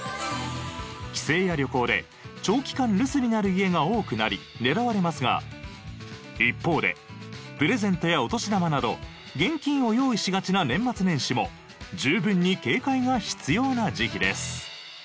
帰省や旅行で長期間留守になる家が多くなり狙われますが一方でプレゼントやお年玉など現金を用意しがちな年末年始も十分に警戒が必要な時期です。